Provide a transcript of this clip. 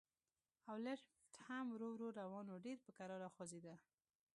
او لفټ هم ورو ورو روان و، ډېر په کراره خوځېده.